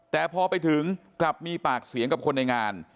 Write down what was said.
แต่พอไปถึงกลับมีปากเสียงกับคนในงาน